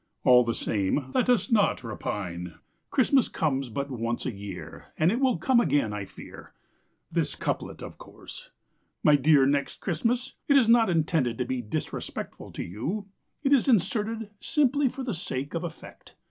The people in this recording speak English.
All the same, Let us not repine: Christmas comes but once a year, And it will come again, I fear. This couplet, of course. My dear Next Christmas, Is not intended to be Disrespectful to you; It is inserted simply For the sake of effect.